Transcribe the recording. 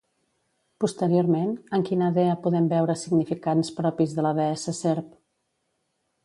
Posteriorment, en quina dea podem veure significants propis de la deessa serp?